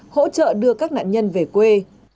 hỗ trợ đưa các nạn nhân về quê